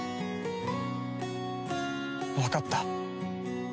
わかった。